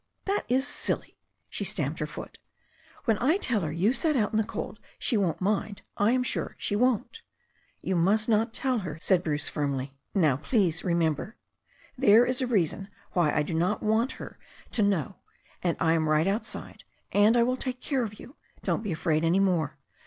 "That is silly !" She stamped her foot. "When I tell her you sat out in the cold she won't mind, I am sure she won't " "You must not tell her," said Bruce firmly. "Now, 76 THE STORY OF A NEW ZEALAND RIVER please, remember. There is a reason why I do not want her to know. And I am all right outside. And I will take care of you. Don't be afraid any more.